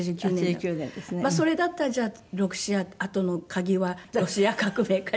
それだったらじゃああとの鍵はロシア革命か。